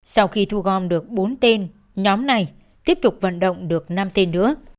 sau khi thu gom được bốn tên nhóm này tiếp tục vận động được năm tên nữa